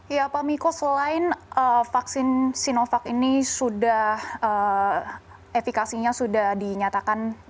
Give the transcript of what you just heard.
ya pak miko selain vaksin sinovac ini sudah efekasinya sudah dinyatakan